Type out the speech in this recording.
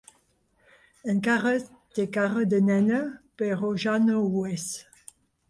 Encara té cara de nena, però ja no ho és.